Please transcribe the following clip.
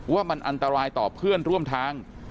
ว่ามันอันตรายต่อเพื่อนร่วมทาง